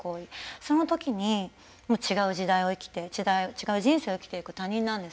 そのときに違う時代を生きて違う人生を生きていく他人なんです。